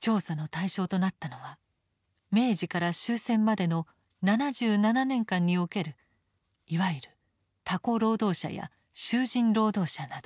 調査の対象となったのは明治から終戦までの７７年間におけるいわゆるタコ労働者や囚人労働者など。